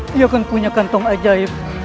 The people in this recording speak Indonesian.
dia kan punya kantong ajaib